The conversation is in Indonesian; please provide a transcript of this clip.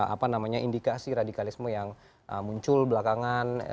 apa namanya indikasi radikalisme yang muncul belakangan